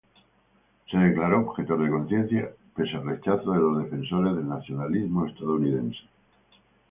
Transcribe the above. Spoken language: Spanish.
Se declaró objetor de conciencia, pese al rechazo de los defensores del nacionalismo estadounidense.